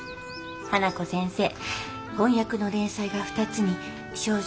花子先生翻訳の連載が２つに少女小説